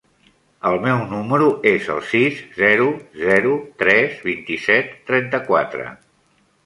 El meu número es el sis, zero, zero, tres, vint-i-set, trenta-quatre.